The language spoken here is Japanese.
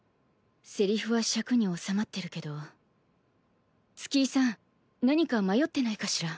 セリフは尺に収まってるけど月居さん何か迷ってないかしら？